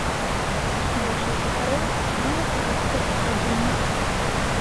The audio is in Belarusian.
Большасць жыхароў мае харвацкае паходжанне.